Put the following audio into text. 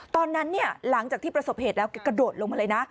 หลังจากที่ประสบเหตุแล้วแกกระโดดลงมาเลยนะ